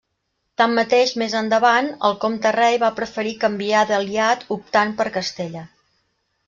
Tanmateix més endavant, el comte-rei va preferir canviar d'aliat optant per Castella.